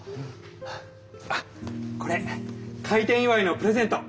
あっこれ開店祝いのプレゼント。